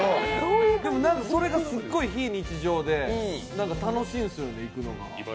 それがすっごい非日常で楽しいんすよね、行くのが。